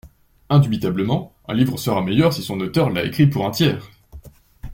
Indubitablement, un livre sera meilleur si son auteur l’a écrit pour un tiers.